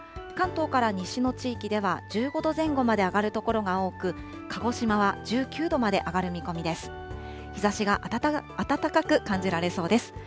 関東から西の地域では１５度前後まで上がる所が多く、鹿児島は１９度まで上がる見込みです。